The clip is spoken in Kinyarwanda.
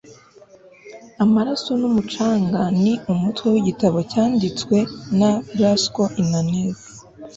amaraso n'umucanga ni umutwe w'igitabo cyanditswe na blasco ináñez